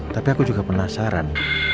tapi aku juga penasaran